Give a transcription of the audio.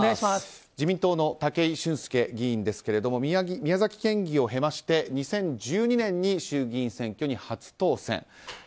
自民党の武井俊輔議員ですが宮崎県議を経て２０１２年に衆議院選挙に初当選。